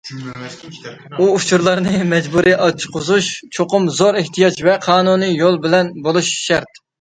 بۇ ئۇچۇرلارنى مەجبۇرىي ئاچقۇزۇش چوقۇم زور ئېھتىياج ۋە قانۇنىي يول بىلەن بولۇشى شەرت.